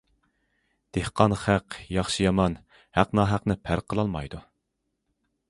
دېھقان خەق ياخشى- يامان، ھەق- ناھەقنى پەرق قىلالمايدۇ.